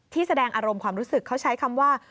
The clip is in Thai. แสดงอารมณ์ความรู้สึกเขาใช้คำว่า